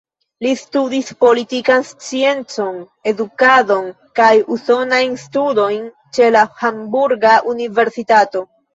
Li studis politikan sciencon, edukadon kaj usonajn studojn ĉe la Hamburga universitato.